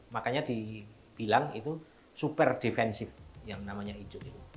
makanya dibilang itu super defensive yang namanya icuk itu